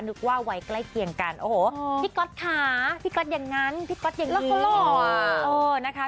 นึกว่าไว้ใกล้เคียงกันพี่ก๊อตค่ะพี่ก๊อตอย่างนั้นแล้วเขาหล่อ